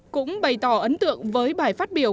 cũng bày tỏ ấn tượng với bài phát biểu